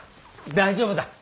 大丈夫だ。